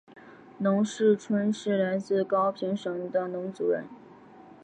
农氏春是来自高平省的侬族人。